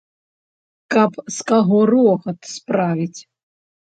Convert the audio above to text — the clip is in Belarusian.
Каб з каго рогат справіць.